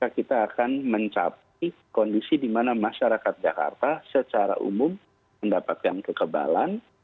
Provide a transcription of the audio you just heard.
kita akan mencapai kondisi di mana masyarakat jakarta secara umum mendapatkan kekebalan